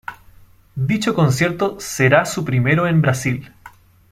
Dicho concierto será su primero en Brasil.